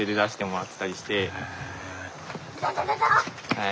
はい！